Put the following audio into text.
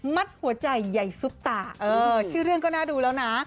หัวใจใหญ่ซุปตาชื่อเรื่องก็น่าดูแล้วนะ